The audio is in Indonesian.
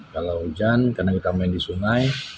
kalau hujan karena kita main di sungai